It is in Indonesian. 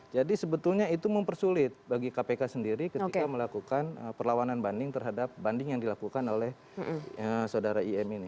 jadi sebetulnya itu mempersulit bagi kpk sendiri ketika melakukan perlawanan banding terhadap banding yang dilakukan oleh saudara im ini